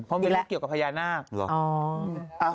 เพราะมีเรื่องเกี่ยวกับภายนา